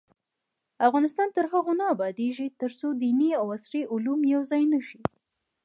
افغانستان تر هغو نه ابادیږي، ترڅو دیني او عصري علوم یو ځای نشي.